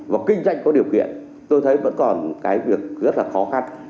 và kinh doanh có điều kiện tôi thấy vẫn còn cái việc rất là khó khăn